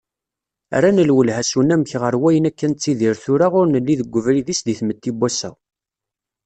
Rran lwelha s unamek ɣer wayen akka nettidir tura ur nelli deg ubrid-is di tmetti n wass-a.